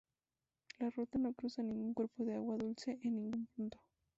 La ruta no cruza ningún cuerpo de agua dulce en ningún punto.